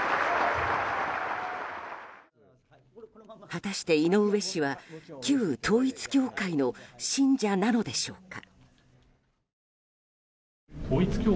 果たして井上氏は旧統一教会の信者なのでしょうか。